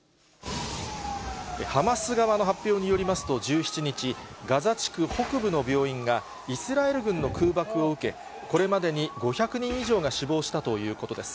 ハマス側の発表によりますと１７日、ガザ地区北部の病院が、イスラエル軍の空爆を受け、これまでに５００人以上が死亡したということです。